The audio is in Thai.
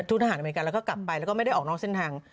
ทหารอเมริกันแล้วก็กลับไปแล้วก็ไม่ได้ออกนอกเส้นทาง